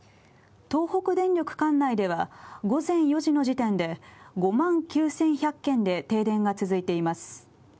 東北電力管内では午前４時の時点で５万９１００軒で停電が続いています。